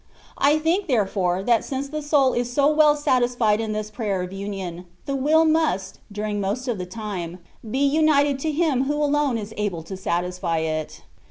I think, therefore, that since the soul is so well satisfied in this Prayer of Union, the will must, during most of the time, be united to Him who alone is able to satisfy it.